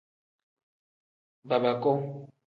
Babaku.